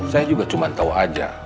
saya juga cuma tahu aja